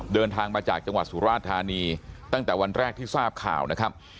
เดินทางมาจากจังหวัดสุราชธานีตั้งแต่วันแรกที่ทราบข่าวนะครับ